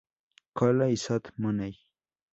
Cole y Zoot Money.